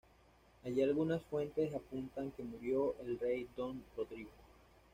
Allí algunas fuentes apuntan que murió el Rey Don Rodrigo.